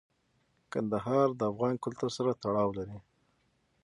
کندهار د افغان کلتور سره تړاو لري.